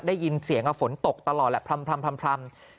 ได้ยินเสียงฝนตกตลอดแหละพร่ำ